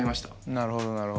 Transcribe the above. なるほどなるほど。